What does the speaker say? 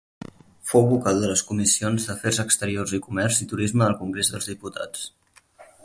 Fou vocal de les Comissions d'Afers Exteriors i Comerç i Turisme del Congrés dels Diputats.